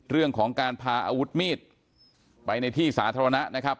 เรื่องของการพาอาวุธมีดไปในที่สาธารณะนะครับ